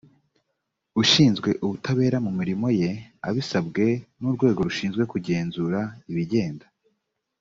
ushinzwe ubutabera mu mirimo ye abisabwe n urwego rushinzwe kugenzura ibigenda